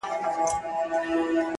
هر څه بې معنا ښکاري ډېر